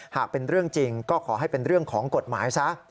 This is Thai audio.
หากเป็นเรื่องจริงก็ขอให้เป็นเรื่องของกฎหมายซะ